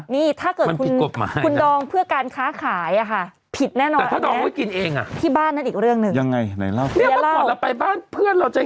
นี่ถ้าเกิดคุณดองเพื่อการค้าขายอะค่ะ